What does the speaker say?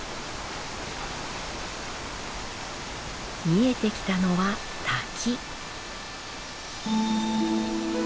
見えてきたのは滝。